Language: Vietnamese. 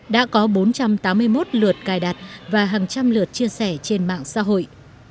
đã có bốn trăm tám mươi một lượt cài đặt và hàng trăm lượt chia sẻ trên mạng xã hội